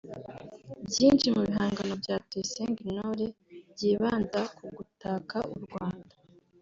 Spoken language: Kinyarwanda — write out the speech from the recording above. Byinshi mu bihangano bya Tuyisenge Intore byibanda ku gutaka u Rwanda